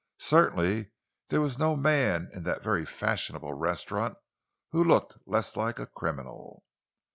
Certainly there was no man in that very fashionable restaurant who looked less like a criminal.